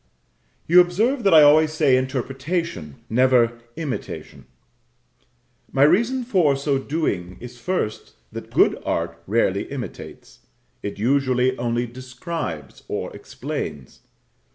You observe that I always say interpretation, never imitation. My reason for so doing is, first, that good art rarely imitates; it usually only describes or explains.